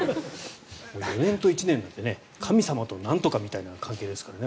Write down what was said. ４年と１年なんて神様となんとかみたいな関係ですからね。